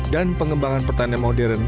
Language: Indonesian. dan pengembangan pertanian modern